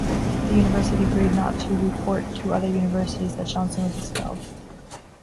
The university agreed to not report to other universities that Johnson was expelled.